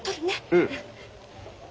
うん。